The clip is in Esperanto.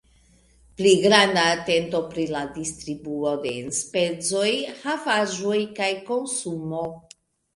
Pli granda atento pri la distribuo de enspezoj, havaĵoj kaj konsumo.